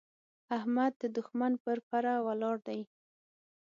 احمد د دوښمن پر پره ولاړ دی.